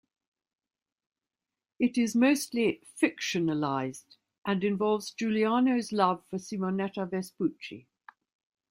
It is mostly fictionalized and involves Giuliano's love for Simonetta Vespucci.